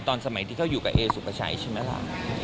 ตอนสมัยที่เขาอยู่กับเอสุปชัยใช่ไหมล่ะ